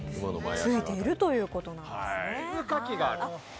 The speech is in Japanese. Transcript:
ついているということなんですね。